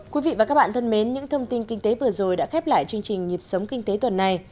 quý vị và các bạn thân mến những thông tin kinh tế vừa rồi đã khép lại chương trình nhịp sống kinh tế tuần này